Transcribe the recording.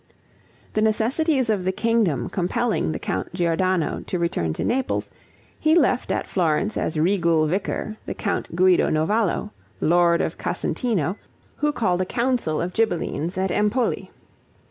The necessities of the kingdom compelling the Count Giordano to return to Naples, he left at Florence as regal vicar the Count Guido Novallo, lord of Casentino, who called a council of Ghibellines at Empoli.